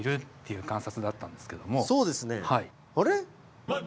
そうですね。